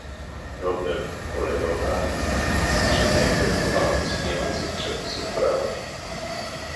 Problem polegał na tym, że nie egzekwowano istniejących przepisów prawa